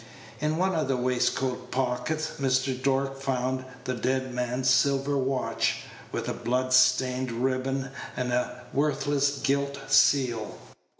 In one of the waistcoat pockets Mr. Dork found the dead man's silver watch, with a blood stained ribbon and a worthless gilt seal.